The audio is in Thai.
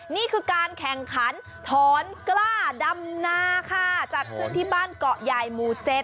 นี่คือการแข่งขันถอนกล้าดำนาค่ะจัดขึ้นที่บ้านเกาะใหญ่หมู่เจ็ด